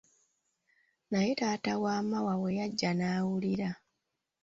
Naye taata wa Maawa bwe yajja n'awulira,